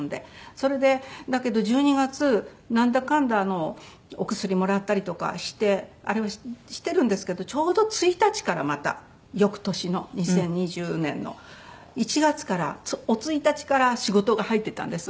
それでだけど１２月なんだかんだお薬もらったりとかしてあれはしてるんですけどちょうど１日からまた翌年の２０２０年の１月からお一日から仕事が入ってたんです。